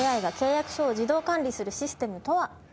ＡＩが契約書を自動管理するシステムとは？